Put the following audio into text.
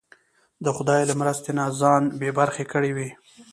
د خدای له مرستې نه ځان بې برخې کړی وي.